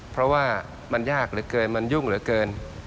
เพราะว่ามันยากเหลือเกินมันยุ่งเหลือเกิน